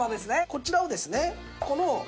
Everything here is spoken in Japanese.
こちらをですねこの。